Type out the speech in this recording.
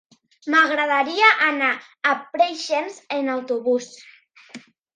M'agradaria anar a Preixens amb autobús.